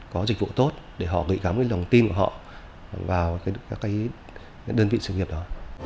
có dịch vụ tốt để họ gợi gắm lòng tin của họ vào các đơn vị sự nghiệp đó